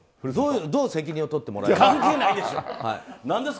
どう責任を取ってもらえますか？